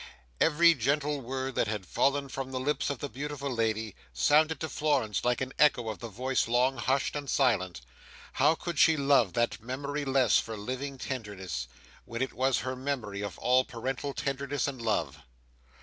Every gentle word that had fallen from the lips of the beautiful lady, sounded to Florence like an echo of the voice long hushed and silent. How could she love that memory less for living tenderness, when it was her memory of all parental tenderness and love!